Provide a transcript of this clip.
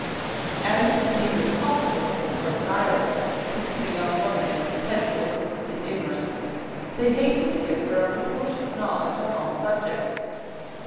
As it is neither possible nor desirable to keep a young woman in perpetual or complete ignorance, they hasten to give her a precocious knowledge on all subjects.